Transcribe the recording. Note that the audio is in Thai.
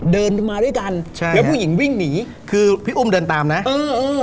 เดินมาด้วยกันใช่แล้วผู้หญิงวิ่งหนีคือพี่อุ้มเดินตามนะเออเออ